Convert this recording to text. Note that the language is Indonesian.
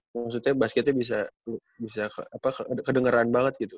maksudnya basketnya bisa bisa apa kedengeran banget gitu